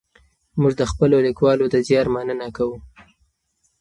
موږ د خپلو لیکوالو د زیار مننه کوو.